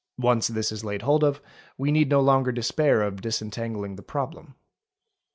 Once this is laid hold of we need no longer despair of disentangling the problem.